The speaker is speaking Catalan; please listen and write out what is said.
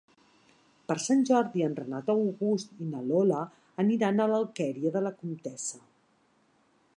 Per Sant Jordi en Renat August i na Lola aniran a l'Alqueria de la Comtessa.